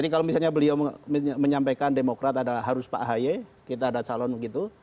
kalau misalnya beliau menyampaikan demokrat ada harus pak ahaye kita ada calon begitu